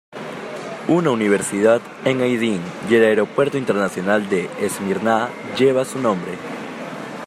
Una universidad en Aydin y el Aeropuerto Internacional de Esmirna llevan su nombre.